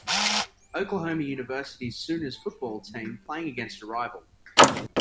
Oklahoma University 's Sooners football team playing against a rival.